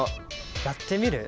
やってみる。